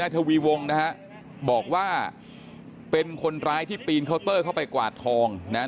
ทวีวงนะฮะบอกว่าเป็นคนร้ายที่ปีนเคาน์เตอร์เข้าไปกวาดทองนะ